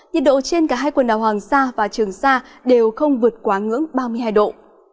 nhiệt độ trên cả hai quần đảo hoàng sa và trường sa đều không vượt quá ngưỡng ba mươi hai độ